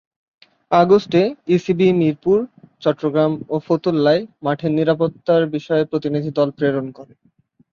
আগস্টে ইসিবি মিরপুর, চট্টগ্রাম ও ফতুল্লায় মাঠের নিরাপত্তার বিষয়ে প্রতিনিধি দল প্রেরণ করে।